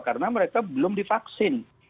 karena mereka belum divaksin